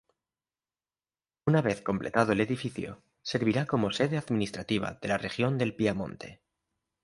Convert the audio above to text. Una vez completado el edificio servirá como sede administrativa de la región del Piamonte.